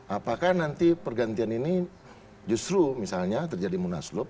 apakah nanti pergantian ini justru misalnya terjadi munaslup